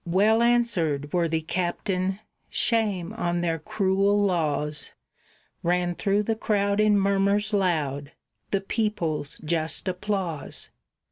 "Well answered, worthy captain, shame on their cruel laws!" Ran through the crowd in murmurs loud the people's just applause.